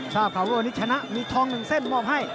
ทราบข่าวว่าวันนี้ชนะมีทอง๑เส้นมอบให้